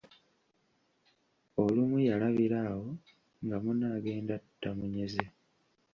Olumu yalabira awo nga munne agenda tamunyeze.